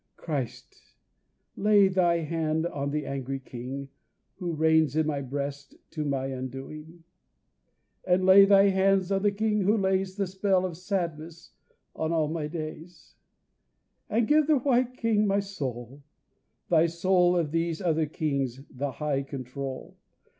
Christ! lay Thy hand on the angry king Who reigns in my breast to my undoing, And lay thy hands on the king who lays The spell of sadness on all my days, And give the white king my soul, Thy soul, Of these other kings the high control.